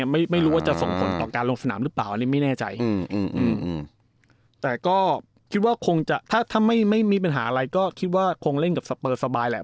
ไม่รู้จะส่งผลว่าตอนการลงสนามหรือเปล่าแต่ก็คงจะพาถ้าไม่มีปัญหาอะไรก็คิดว่าคงเล่นกับสเปอร์สบายแล้ว